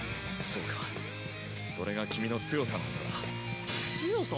そうかそれが君の強さなんだな。